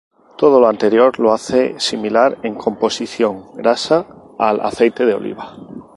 Todo lo anterior lo hace similar en composición grasa al aceite de oliva.